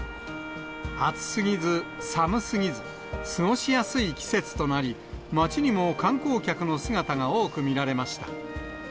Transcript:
暑すぎず、寒すぎず、過ごしやすい季節となり、街にも観光客の姿が多く見られました。